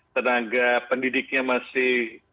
tenaga pendidiknya masih